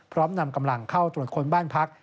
นำกำลังเข้าตรวจค้นบ้านพัก